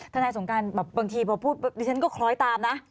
นายสงการแบบบางทีพอพูดดิฉันก็คล้อยตามนะ